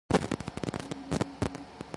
"Boiga" species are oviparous.